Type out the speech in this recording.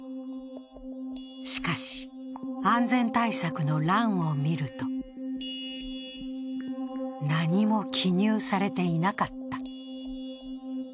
しかし、安全対策の欄を見ると何も記入されていなかった。